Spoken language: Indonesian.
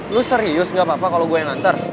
lo serius gak apa apa kalau gue yang anter